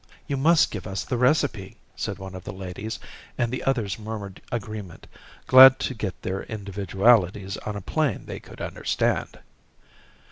"You must give us the recipe," said one of the ladies and the others murmured agreement, glad to get their individualities on a plane they could understand.